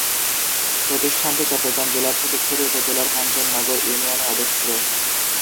প্রতিষ্ঠানটি চট্টগ্রাম জেলার ফটিকছড়ি উপজেলার কাঞ্চননগর ইউনিয়নে অবস্থিত।